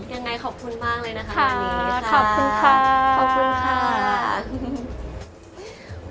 ยังไงขอบคุณมากเลยนะคะวันนี้ค่ะ